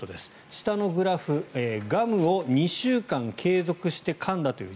下のグラフ、ガムを２週間継続してかんだという